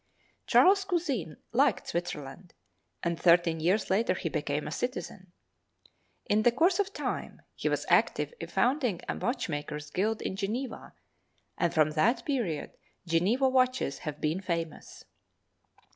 Charles Cusin liked Switzerland and thirteen years later he became a citizen. In the course of time, he was active in founding a watchmaker's guild in Geneva and from that period Geneva watches have been famous.